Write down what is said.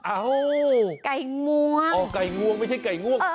ไก่งวงอ๋อไก่งวงไม่ใช่ไก่ง่วง